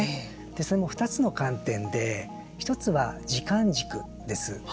それも２つの観点で１つは時間軸です。